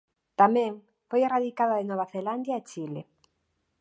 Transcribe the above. Tamén foi erradicada de Nova Zelandia e Chile.